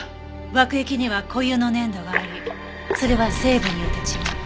爆液には固有の粘度がありそれは成分によって違う。